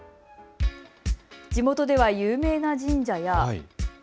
地元では有名な神社や。